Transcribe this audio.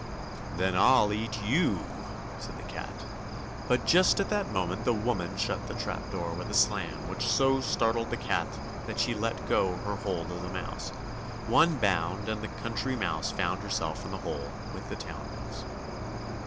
"Then I'll eat you," said the cat. But just at that moment the woman shut the trap door with a slam, which so startled the cat that she let go her hold of the mouse. One bound and the Country Mouse found herself in the hole with the Town Mouse.